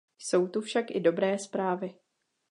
Jsou tu však i dobré zprávy.